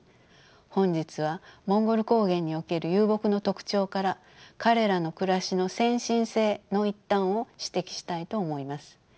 本日はモンゴル高原における遊牧の特徴から彼らの暮らしの先進性の一端を指摘したいと思います。